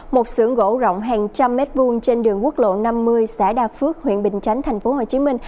một xưởng gỗ rộng hàng trăm mét vuông trên đường quốc lộ năm mươi xã đa phước huyện bình chánh tp hcm